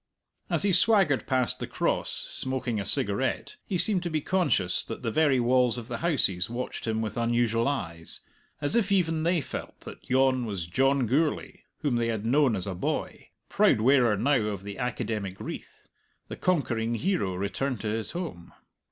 As he swaggered past the Cross, smoking a cigarette, he seemed to be conscious that the very walls of the houses watched him with unusual eyes, as if even they felt that yon was John Gourlay whom they had known as a boy, proud wearer now of the academic wreath, the conquering hero returned to his home.